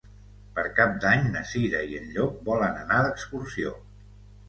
Per Cap d'Any na Cira i en Llop volen anar d'excursió.